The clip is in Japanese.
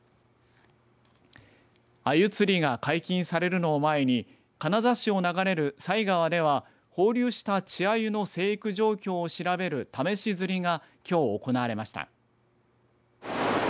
アユ釣りが解禁されるのを前に金沢市を流れる犀川では放流した稚アユの成育状況を調べる試し釣りがきょう行われました。